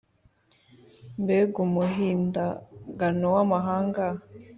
Mbega umuhindagano w’amahanga